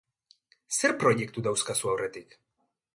Zer proiektu dauzkazu aurretik?